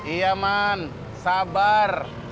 iya man sabar